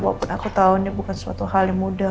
walaupun aku tahu ini bukan suatu hal yang mudah